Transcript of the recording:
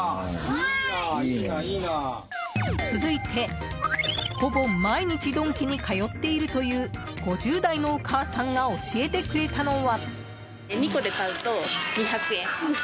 続いて、ほぼ毎日ドンキに通っているという５０代のお母さんが教えてくれたのは。